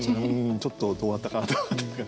ちょっとどうなったかなと思って。